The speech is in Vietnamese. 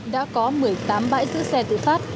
đã có một mươi tám bãi giữ xe tự phát